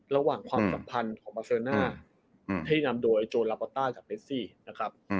ระหว่างความสัมพันธ์ของปาเซอร์น่าที่นำโดยโจรับปอตต้ากับเลสซี่นะครับ